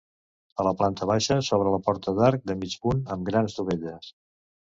A la planta baixa s'obre la porta d'arc de mig punt amb grans dovelles.